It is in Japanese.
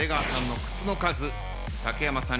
竹山さん